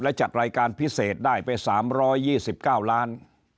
และจัดรายการพิเศษได้ไป๓๒๙ล้าน